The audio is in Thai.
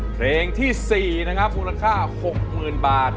เพลงที่สี่นะครับมูลค่าหกหมื่นบาท